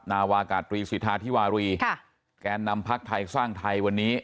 นาวากาตรีสิทธาธิวารีค่ะแกนนำพักไทยสร้างไทยวันนี้